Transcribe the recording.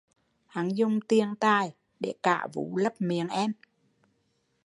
Hắn dùng tiền tài để cả vú lấp miệng em